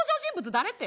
誰って？